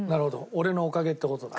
俺のおかげって事だ。